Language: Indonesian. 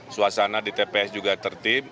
suasana di tps juga tertib